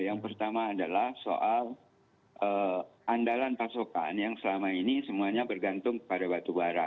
yang pertama adalah soal andalan pasokan yang selama ini semuanya bergantung kepada batu bara